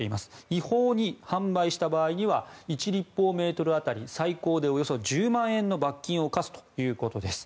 違法に販売した場合には１立方メートル当たり最高で１０万円の罰金を科すということです。